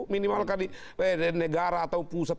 minimal kan di negara atau pusat